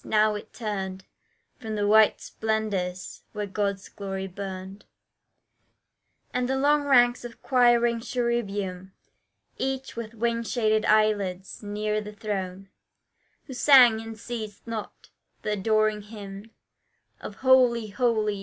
Now it turned From the white splendours where God's glory burned, And the long ranks of quiring cherubim Each with wing shaded eyelids, near the throne, Who sang and ceased not the adoring hymn Of Holy, Holy!